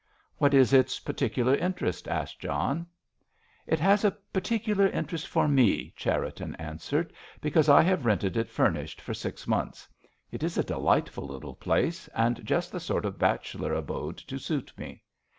"What is its particular interest?" asked John. "It has a particular interest for me," Cherriton answered, "because I have rented it furnished for six months. It is a delightful little place, and just the sort of bachelor abode to suit me."